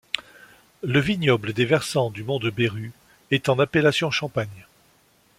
Le vignoble des versants du Mont de Berru est en appellation champagne.